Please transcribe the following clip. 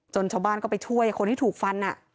ชาวบ้านก็ไปช่วยคนที่ถูกฟัน